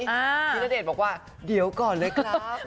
พี่ณเดชน์บอกว่าเดี๋ยวก่อนเลยครับ